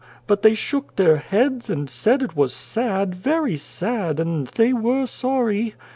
But they shook their heads, and said it was sad, very sad, and they were sorry.